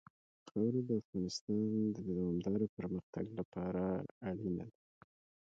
خاوره د افغانستان د دوامداره پرمختګ لپاره اړین دي.